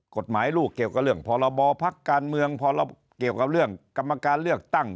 กฎหมายลูกเกี่ยวกับเรื่องพรบพักการเมืองเกี่ยวกับเรื่องกรรมการเลือกตั้ง